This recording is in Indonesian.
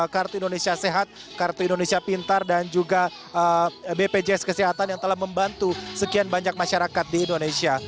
kartu indonesia sehat kartu indonesia pintar dan juga bpjs kesehatan yang telah membantu sekian banyak masyarakat di indonesia